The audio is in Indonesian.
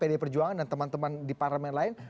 pemimpin pd perjuangan dan teman teman di parlamen lain